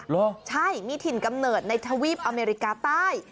เหรอใช่มีถิ่นกำเนิดในทวีปอเมริกาใต้